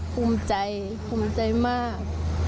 ภูมิใจภูมิใจมาก